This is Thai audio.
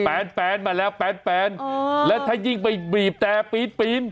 แปนแปนมาแล้วแปนแปนเออแล้วถ้ายิ่งไปบีบแต่ปีนปีน